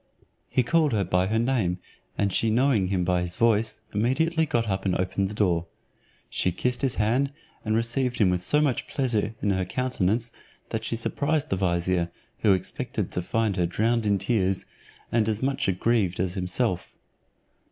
He called her by her name, and she knowing him by his voice, immediately got up, and opened the door. She kissed his hand, and received him with so much pleasure in her countenance, that she surprised the vizier. who expected to find her drowned in tears, and as much grieved as himself.